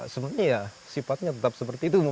sebenarnya ya sifatnya tetap seperti itu